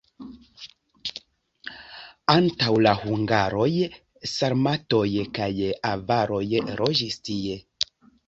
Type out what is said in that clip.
Antaŭ la hungaroj sarmatoj kaj avaroj loĝis tie.